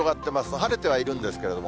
晴れてはいるんですけれども。